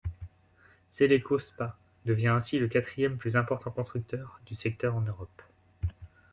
Sèleco SpA devient ainsi le quatrième plus important constructeur du secteur en Europe.